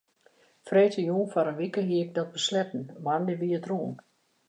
Freedtejûn foar in wike hie ik dat besletten, moandei wie it rûn.